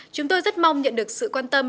chúng tôi rất mong nhận được sự quan tâm